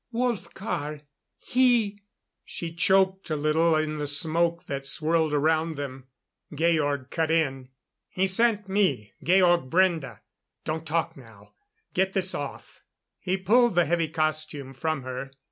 "Wolfgar he " She choked a little in the smoke that swirled around them. Georg cut in: "He sent me Georg Brende. Don't talk now get this off." He pulled the heavy costume from her.